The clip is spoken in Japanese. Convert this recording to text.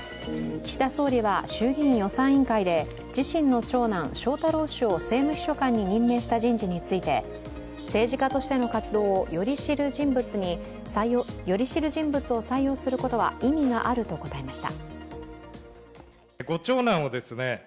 岸田総理は衆議院予算委員会で自身の長男、翔太郎氏を政務秘書官に任命した人事について政治家としての活動をより知る人物を採用することは意味があると答えました。